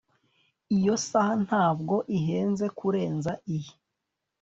Iyo saha ntabwo ihenze kurenza iyi